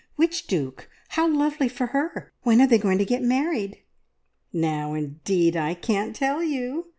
Which duke? How lovely for her! When are they going to get married?" "Now indeed I can't tell you!"